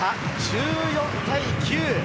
１４対９。